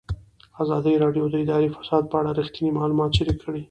ازادي راډیو د اداري فساد په اړه رښتیني معلومات شریک کړي.